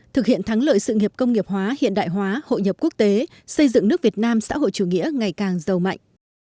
thực hiện thắng lợi sự nghiệp công nghiệp hóa hiện đại hóa hội nhập quốc tế xây dựng nước việt nam xã hội chủ nghĩa ngày càng giàu mạnh